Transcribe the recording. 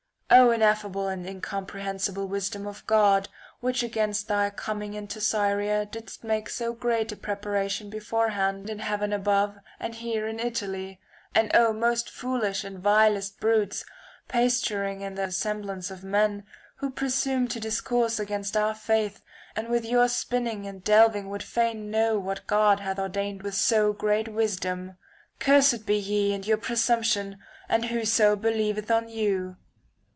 Oh ineffable and C70J incomprehensible wisdom of God, which against thy coming into Syria didst make so great preparation beforehand in heaven above and here in Italy ; and oh most foolish and vilest brutes, pasturing in the sem blance of men, who presume to discourse against our faith, and with your spinning and delving would fain know what God hath ordained with so great wisdom ! Cursed be ye, and your pre sumption, and whoso believeth on you